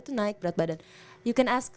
itu naik berat badan you can us